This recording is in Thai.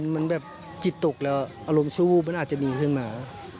มันแบบจิตตกแล้วอารมณ์สู้มันอาจจะดีขึ้นมา